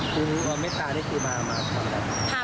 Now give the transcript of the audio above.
คุ้มคลอมเมตตาได้ที่มามาทำอะไร